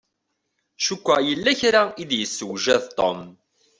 Cukkeɣ yella kra i d-yessewjad Tom.